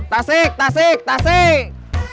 tasik tasik tasik